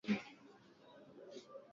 Nionapo majaribu na mateso,